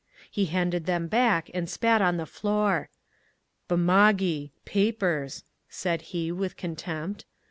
He handed them back and spat on the floor. "Bumagi! Papers!" said he with contempt.